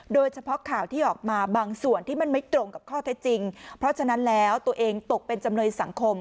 โดยเฉพาะข่าวที่ออกมาบางส่วนที่มันไม่ตรงกับข้อเท็จจริงเพราะฉะนั้นแล้วตัวเองตกเป็นจำเลยสังคม